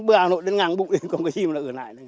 chứ bữa hà nội đến ngang bụng đến không có gì mà nó ở lại nữa